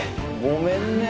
ごめんね。